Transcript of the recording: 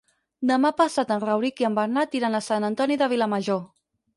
Demà passat en Rauric i en Bernat iran a Sant Antoni de Vilamajor.